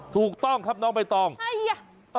ถูกต้องครับน้องใบตองใครอ่ะ